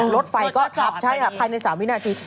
รถไฟก็ทับใช่ค่ะภายใน๓วินาที